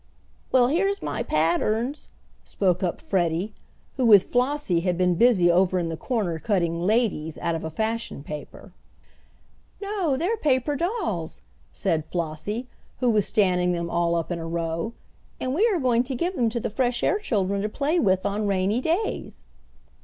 "Well, here's my patterns," spoke up Freddie, who with Flossie had been busy over in the corner cutting "ladies" out of a fashion paper. "No, they're paper dolls," said Flossie, who was standing them all up in a row, "and we are going to give them to the fresh air children to play with on rainy days."